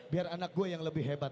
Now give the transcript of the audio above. biar anak gue yang lebih hebat